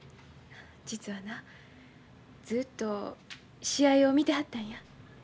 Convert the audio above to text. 実はなずっと試合を見てはったんや。